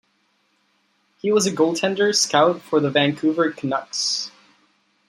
He was a goaltender scout for the Vancouver Canucks.